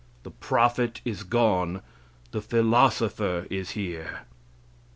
The prophet is gone, the philosopher is here.